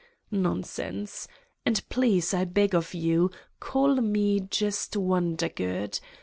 Nonsense! And, please, I beg of you, call Me just Wondergood.